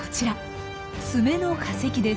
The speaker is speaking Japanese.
ツメの化石です。